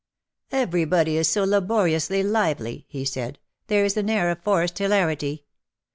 "Everybody is so laboriously lively,^' he said; " there is an air of forced hilarity.